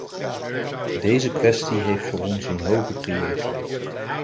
Deze kwestie heeft voor ons een hoge prioriteit.